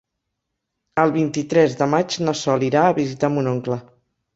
El vint-i-tres de maig na Sol irà a visitar mon oncle.